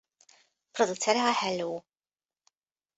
Producere a Hello!